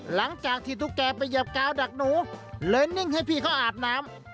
หลังจากที่ตุ๊กแก่ไปเหยียบกาวดักหนูเลยนิ่งให้พี่เขาอาบน้ำ